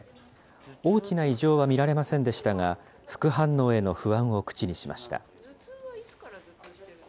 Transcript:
大きな異常は見られませんでしたが、副反応への不安を口にしました。